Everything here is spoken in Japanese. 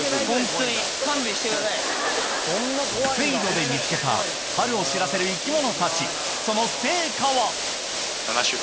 水路で見つけた春を知らせる生き物たちその成果は？